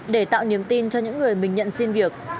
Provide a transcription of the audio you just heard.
để tạo niềm tin cho những người mình nhận xin việc